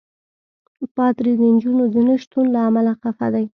پادري د نجونو د نه شتون له امله خفه دی.